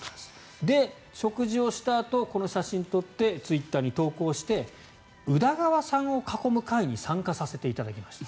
食事をしたあとこの写真を撮ってツイッターに投稿して宇田川さんを囲む会に参加させていただきました！